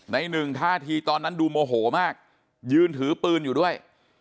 หนึ่งท่าทีตอนนั้นดูโมโหมากยืนถือปืนอยู่ด้วย